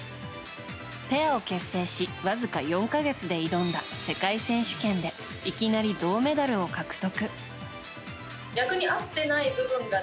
ペアを結成しわずか４か月で挑んだ世界選手権でいきなり銅メダルを獲得。